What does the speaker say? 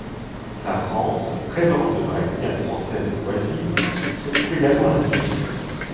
La France, présente dans la Guyane française voisine, se trouve également impliquée.